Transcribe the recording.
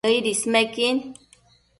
Nëid ismequin